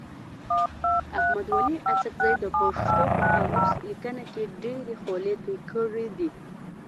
احمد ولي اڅکزي د پښتو په قاموس لیکنه کي ډېري خولې توی کړي دي.